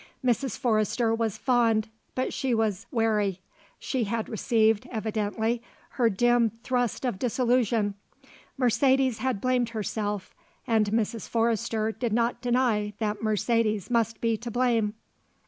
Mrs. Forrester was fond, but she was wary. She had received, evidently, her dim thrust of disillusion. Mercedes had blamed herself and Mrs. Forrester did not deny that Mercedes must be to blame.